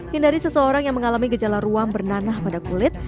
hindari seseorang yang mengalami gejala ruam bernanah pada kulit